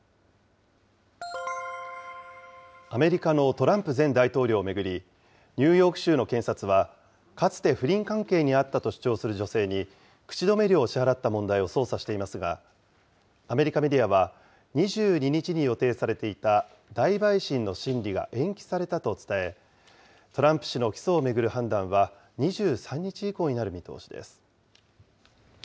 アメリカのトランプ前大統領を巡り、ニューヨーク州の検察は、かつて不倫関係にあったと主張する女性に、口止め料を支払った問題を捜査していますが、アメリカメディアは、２２日に予定されていた大陪審の審理が延期されたと伝え、トランプ氏の起訴を巡る判断は２３日以降になる見通しです。